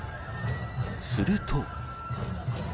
すると。